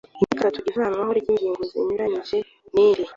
ingingo ya gatatu ivanwaho ry ingingo zinyuranije n iri